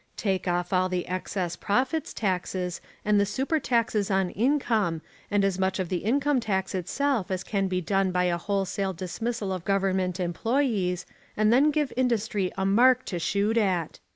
Take off all the excess profits taxes and the super taxes on income and as much of the income tax itself as can be done by a wholesale dismissal of government employees and then give industry a mark to shoot at.